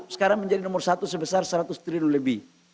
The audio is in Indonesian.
sekarang menjadi nomor satu sebesar seratus triliun lebih